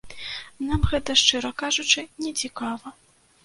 Нам гэта, шчыра кажучы, не цікава.